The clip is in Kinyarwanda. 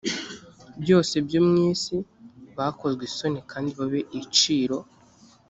byose byo mu isi bakozwe isoni kandi babe iciro